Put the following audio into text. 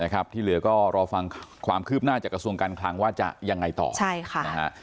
ที่เหลือก็รอฟังความคืบหน้าจากกระทรวงการคลังว่าจะยังไงต่อใช่ค่ะนะฮะ